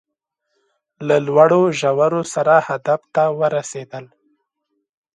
له لوړو ژورو سره هدف ته ورسېدل